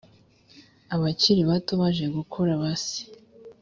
abakiri bato baje gukura base.